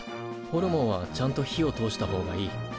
ホルモンはちゃんと火を通した方がいい。